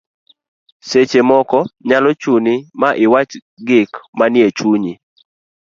seche moko nyalo chuni ma iwach gik manie chunyi